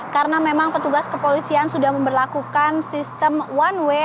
karena memang petugas kepolisian sudah memperlakukan sistem one way